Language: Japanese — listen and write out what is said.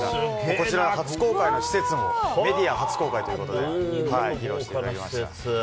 こちら、初公開の施設も、メディア初公開ということで披露していただきました。